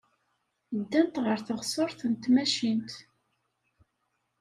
Ddant ɣer teɣsert n tmacint.